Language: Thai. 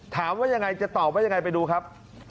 ถามว่ายังไงจะตอบว่ายังไงไปดูครับ